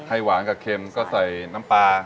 หวานกับเค็มก็ใส่น้ำปลา